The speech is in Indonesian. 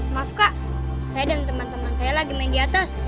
maaf kak saya dan teman teman saya lagi main di atas